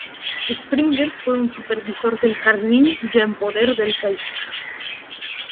Sprenger fue supervisor del jardín, ya en poder del Kaiser.